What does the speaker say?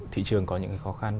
thị trường có những khó khăn